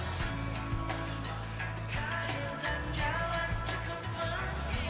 tuhan ku adalah alatku